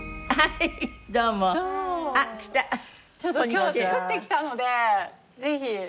今日作ってきたのでぜひ。